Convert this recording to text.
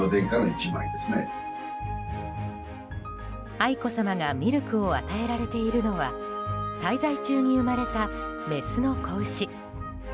愛子さまがミルクを与えられているのは滞在中に生まれたメスの子牛。